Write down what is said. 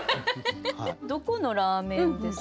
どこのラーメンですか？